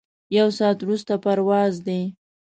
یو ساعت وروسته پرواز دی.